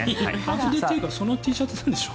半袖というかＴシャツなんでしょ。